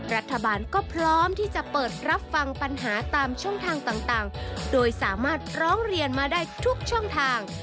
รัฐบาลก็พร้อมที่จะเปิดรับฟังปัญหาตามช่องทางต่างโดยสามารถร้องเรียนมาได้ทุกช่องทาง